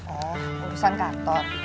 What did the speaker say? oh urusan kantor